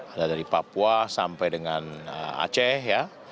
ada dari papua sampai dengan aceh ya